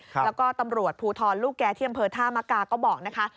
แล้วก็ตำรวจภูทรลูกแก่ที่บริษัทธามากก็บอก